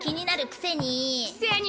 くせに。